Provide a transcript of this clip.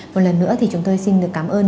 một lần nữa thì chúng tôi xin được cảm ơn